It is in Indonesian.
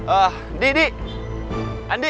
ah di di andi